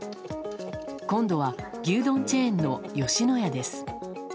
今度は牛丼チェーンの吉野家です。